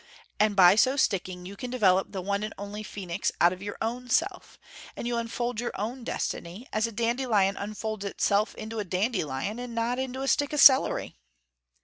And by so sticking, you develop the one and only phoenix of your own self, and you unfold your own destiny, as a dandelion unfolds itself into a dandelion, and not into a stick of celery.